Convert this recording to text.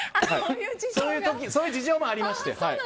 そういう事情もありまして。